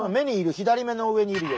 左目の上にいるよ